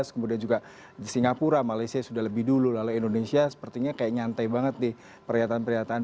kemudian juga singapura malaysia sudah lebih dulu lalu indonesia sepertinya kayak nyantai banget di perlihatan perlihatan